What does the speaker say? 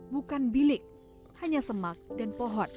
bukan bilik hanya semak dan pohon